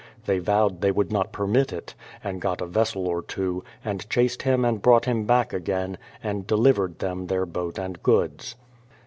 They vowed they would not permit it, and got a vessel or two, and chased him and brought him back again, and delivered them their boat and goods.